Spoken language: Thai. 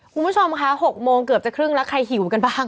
คุณผู้ชมคะ๖โมงเกือบจะครึ่งแล้วใครหิวกันบ้าง